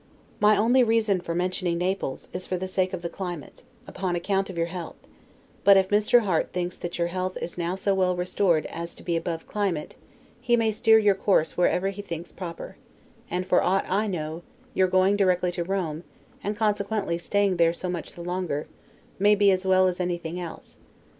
My only reason for mentioning Naples, is for the sake of the climate, upon account of your health; but if Mr. Harte thinks that your health is now so well restored as to be above climate, he may steer your course wherever he thinks proper: and, for aught I know, your going directly to Rome, and consequently staying there so much the longer, may be as well as anything else.